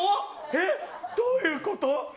え、どういうこと？